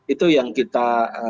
itu yang kita